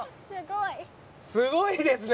すごいですね。